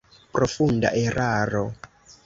Profunda eraro!